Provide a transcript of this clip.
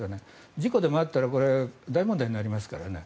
事故でもあったら大問題になりますからね。